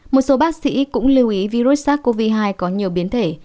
một số bác sĩ cũng lưu ý virus sars cov hai có nhiều biến thể